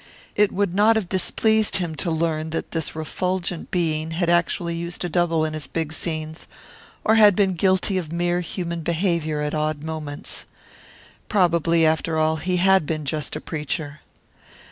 It would not have displeased him to learn that this refulgent being had actually used a double in his big scenes, or had been guilty of mere human behaviour at odd moments. Probably, after all, he had been just a preacher.